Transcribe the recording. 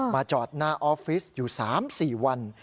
จอดหน้าออฟฟิศอยู่๓๔วัน